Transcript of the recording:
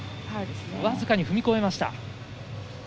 僅かに踏み越えました。